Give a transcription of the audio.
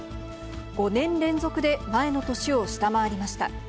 ５年連続で前の年を下回りました。